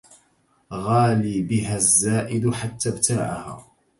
غالى بها الزائد حتى ابتاعها